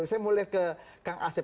saya mau lihat ke kang asep